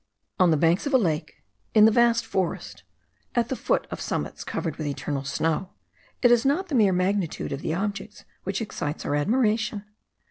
On the banks of a lake, in a vast forest, at the foot of summits covered with eternal snow, it is not the mere magnitude of the objects which excites our admiration.